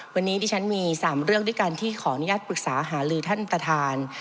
วันนี้ดิฉันมี๓เรื่องด้วยกันที่ขออนุญาตปรึกษาหาลือท่านประธาน